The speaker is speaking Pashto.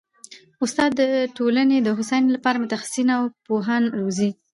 استاد د ټولني د هوسايني لپاره متخصصین او پوهان روزي.